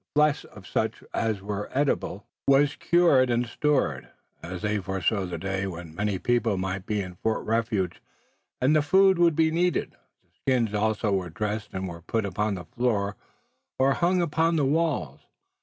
The flesh of such as were edible was cured and stored, as they foresaw the day when many people might be in Fort Refuge and the food would be needed. The skins also were dressed and were put upon the floor or hung upon the walls.